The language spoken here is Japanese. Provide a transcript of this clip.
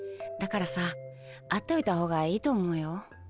だからさ会っておいたほうがいいと思うよ。